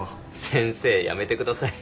「先生」やめてください。